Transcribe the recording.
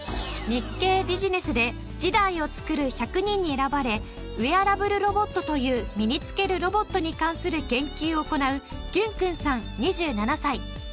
『日経ビジネス』で次代を創る１００人に選ばれウェアラブルロボットという身につけるロボットに関する研究を行うきゅんくんさん２７歳。